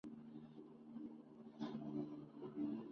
él duda en decirlo